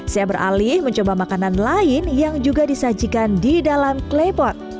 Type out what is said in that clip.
saya beralih mencoba makanan lain yang juga disajikan di dalam klepot